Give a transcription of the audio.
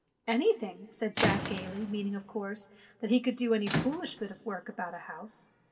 "Anything," said Jack gaily, meaning, of course, that he could do any foolish bit of work about a house.